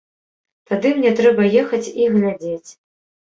Тады мне трэба ехаць і глядзець.